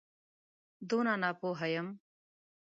دونه ناپوه یم.